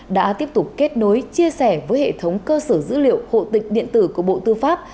đã tiếp tục kết nối chia sẻ với hệ thống cơ sở dữ liệu hộ tịch điện tử của bộ tư pháp